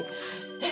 えっ！